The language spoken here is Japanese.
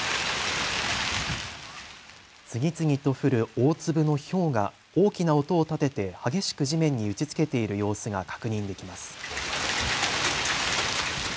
次々と降る大粒のひょうが大きな音を立てて激しく地面に打ちつけている様子が確認できます。